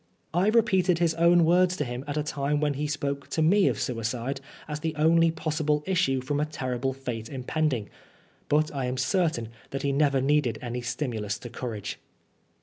I repeated his own words to him at a time when he spoke to me of suicide as the only possible issue from a terrible fate impending, but I am certain that he never needed any stimulus to courage.